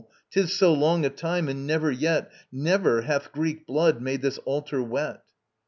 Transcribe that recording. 'Tis so long a time, and never yet, Never, hath Greek blood made this altar wet.